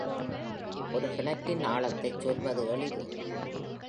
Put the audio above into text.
ஒரு கிணற்றின் ஆழத்தைச் சொல்வது எளிது.